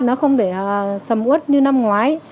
nó không để sầm út như năm ngoái